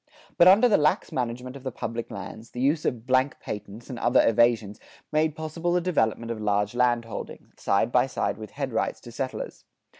But under the lax management of the public lands, the use of "blank patents" and other evasions made possible the development of large landholding, side by side with headrights to settlers.